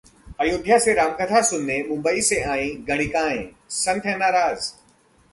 अयोध्या में रामकथा सुनने मुंबई से आईं 'गणिकाएं', संत हैं नाराज